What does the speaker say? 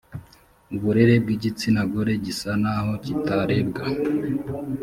uburere bw igitsina gore gisa naho kitarebwa